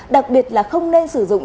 đặc biệt là không nên sử dụng